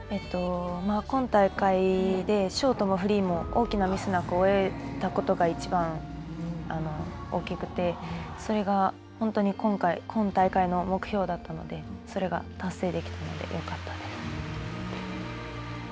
今大会でショートもフリーも大きなミスなく終えられたことがいちばん大きくてそれが本当に今大会の目標だったのでそれが達成できたのでよかったです。